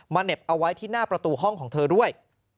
เหน็บเอาไว้ที่หน้าประตูห้องของเธอด้วย